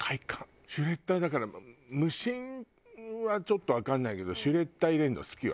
シュレッダーはだから無心はちょっとわかんないけどシュレッダー入れるの好きよ